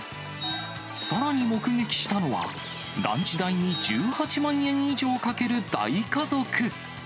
さらに目撃したのは、ランチ代に１８万円以上かける大家族。